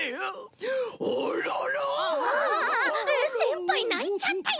ああせんぱいないちゃったよ！